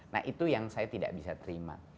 nah itu yang saya tidak bisa terima